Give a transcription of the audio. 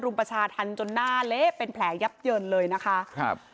ประชาธรรมจนหน้าเละเป็นแผลยับเยินเลยนะคะครับ